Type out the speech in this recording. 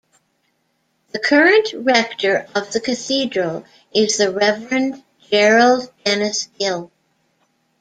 The current rector of the cathedral is the Reverend Gerald Dennis Gill.